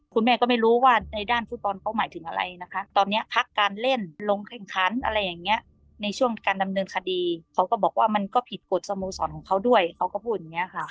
คุณแม่ก็ไม่รู้ว่าในด้านฟุตบอลเขาหมายถึงอะไรนะคะตอนนี้พักการเล่นลงแข่งขันอะไรอย่างนี้ในช่วงการดำเนินคดีเขาก็บอกว่ามันก็ผิดกฎสโมสรของเขาด้วยเขาก็พูดอย่างนี้ค่ะ